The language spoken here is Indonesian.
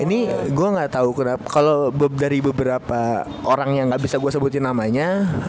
ini gue gak tau kalau dari beberapa orang yang gak bisa gue sebutin namanya